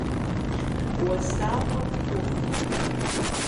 Уасафӏэ пхухъу.